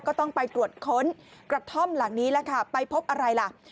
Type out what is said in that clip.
ก็ต้องไปตรวจค้นกระท่อมหลังนี้แหละค่ะไปพบอะไรล่ะ